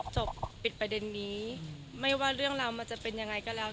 จบปิดประเด็นนี้ไม่ว่าเรื่องราวมันจะเป็นยังไงก็แล้ว